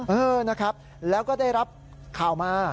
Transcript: เออนะครับแล้วก็ได้รับข่าวมา